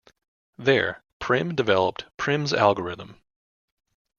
There, Prim developed Prim's algorithm.